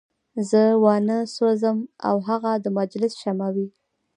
زه وانه سوځم او هغه د مجلس شمع وي.